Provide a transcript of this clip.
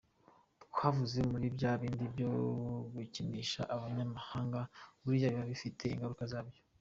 Twavuye muri bya bindi byo gukinisha abanyamahanga, biriya biba bifite ingaruka zabyo.